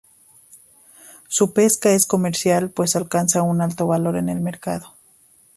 Su pesca es comercial, pues alcanza un alto valor en el mercado.